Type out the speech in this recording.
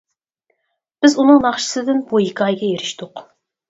بىز ئۇنىڭ ناخشىسىدىن بۇ ھېكايىگە ئېرىشتۇق.